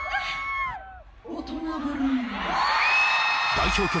代表曲